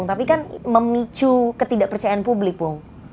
tapi kan memicu ketidakpercayaan publik bung